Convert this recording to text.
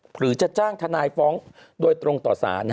หรือจะจ้างทนายฟ้องโดยตรงต่อสาร